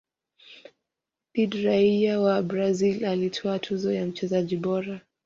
Did raia wa brazil alitwaa tuzo ya mchezaji bora